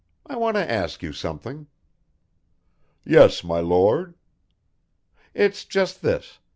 I want to ask you something." "Yes, my Lord." "It's just this.